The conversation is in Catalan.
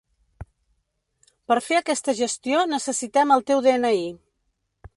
Per fer aquesta gestió necessitem el teu de-ena-i.